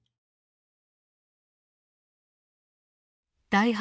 第８